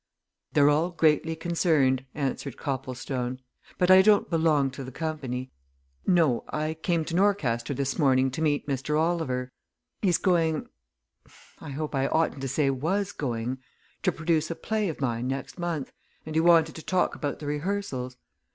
"They're all greatly concerned," answered Copplestone. "But I don't belong to the company. No I came to Norcaster this morning to meet Mr. Oliver he's going I hope I oughtn't to say was going! to produce a play of mine next month, and he wanted to talk about the rehearsals.